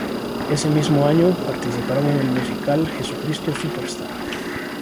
Ese mismo año, participaron en el musical "Jesucristo Superstar".